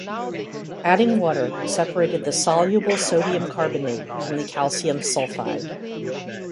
Adding water separated the soluble sodium carbonate from the calcium sulphide.